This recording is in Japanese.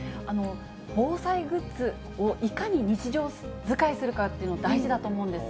防災グッズを、いかに日常使いするかっていうの大事だと思うんです。